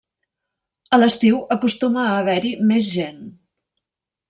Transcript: A l'estiu acostuma a haver-hi més gent.